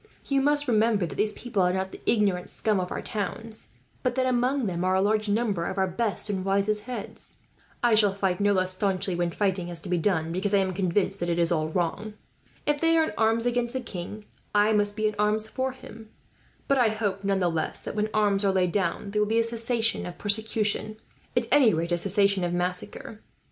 You must remember that these people are not the ignorant scum of our towns, but that among them are a large number of our best and wisest heads. I shall fight no less staunchly, when fighting has to be done, because I am convinced that it is all wrong. If they are in arms against the king, I must be in arms for him; but I hope none the less that, when arms are laid down, there will be a cessation of persecution at any rate, a cessation of massacre.